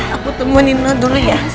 aku temuan nino dulu ya